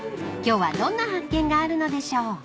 ［今日はどんな発見があるのでしょう］